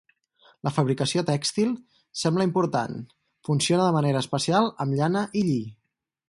La fabricació tèxtil sembla important; funciona de manera especial amb llana i lli.